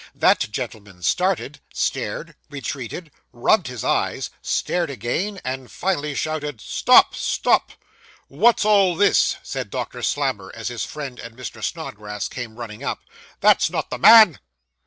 That gentleman started, stared, retreated, rubbed his eyes, stared again, and, finally, shouted, 'Stop, stop!' 'What's all this?' said Doctor Slammer, as his friend and Mr. Snodgrass came running up; 'that's not the man.